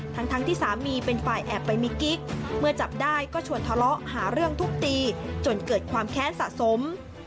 ทั้งที่สามีเป็นฝ่ายแอบไปมีกิ๊กเมื่อจับได้ก็ชวนทะเลาะหาเรื่องทุบตีจนเกิดความแค้นสะสม